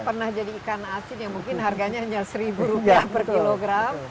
pernah jadi ikan asin yang mungkin harganya hanya seribu rupiah per kilogram